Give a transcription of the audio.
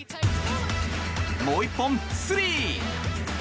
もう１本スリー。